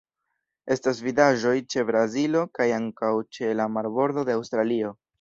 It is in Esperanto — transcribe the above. Estis vidaĵoj ĉe Brazilo kaj ankaŭ ĉe la marbordo de Aŭstralio.